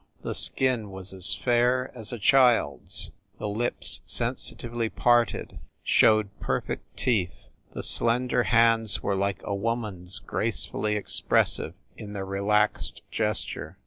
The skin was as fair as a child s, the lips sensitively parted, showed perfect teeth ; the slender hands were like a woman s gracefully expressive in their relaxed gesture.